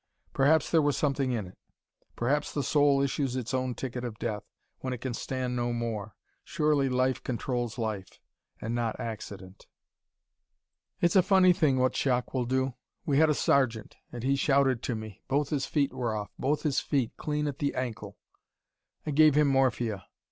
Perhaps there was something in it. Perhaps the soul issues its own ticket of death, when it can stand no more. Surely life controls life: and not accident. "It's a funny thing what shock will do. We had a sergeant and he shouted to me. Both his feet were off both his feet, clean at the ankle. I gave him morphia.